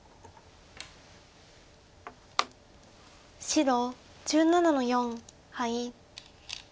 白１７の四ハイ。